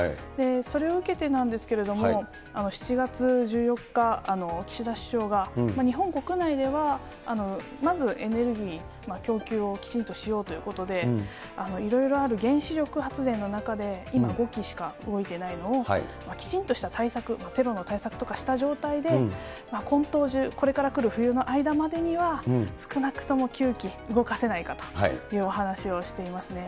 それを受けてなんですけれども、７月１４日、岸田首相が、日本国内ではまずエネルギー供給をきちんとしようということで、いろいろある原子力発電の中で、今、５基しか動いてないのを、きちんとした対策、テロの対策をした状態で、今冬中、これから来る冬の間までには、少なくとも９基、動かせないかという話をしていますね。